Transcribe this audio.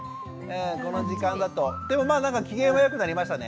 この時間だとでもなんか機嫌は良くなりましたね。